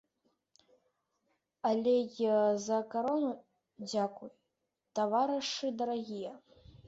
Але й за карону дзякуй, таварышы дарагія.